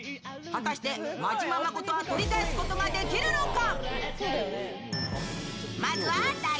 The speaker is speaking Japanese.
果たして真島マコトは取り返すことができるのか。